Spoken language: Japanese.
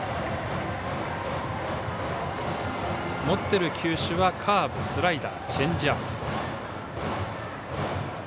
持っている球種はカーブ、スライダーチェンジアップ。